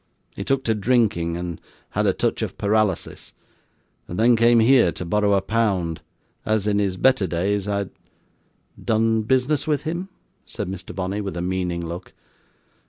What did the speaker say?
He took to drinking, and had a touch of paralysis, and then came here to borrow a pound, as in his better days I had ' 'Done business with him,' said Mr. Bonney with a meaning look.